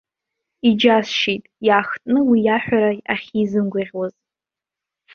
Иџьасшьеит, иаахтны уи иаҳәара ахьизымгәаӷьуаз.